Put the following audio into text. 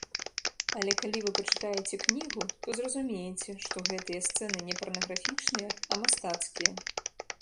Але калі вы пачытаеце кнігу, то зразумееце, што гэтыя сцэны не парнаграфічныя, а мастацкія.